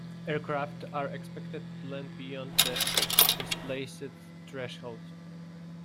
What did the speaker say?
Aircraft are expected to land beyond the displaced threshold.